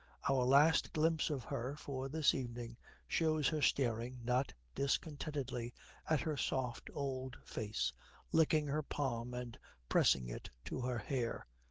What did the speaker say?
Our last glimpse of her for this evening shows her staring (not discontentedly) at her soft old face, licking her palm, and pressing it to her hair.